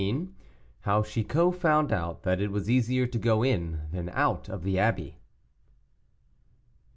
HOW CHICOT FOUND OUT THAT IT WAS EASIER TO GO IN THAN OUT OF THE ABBEY.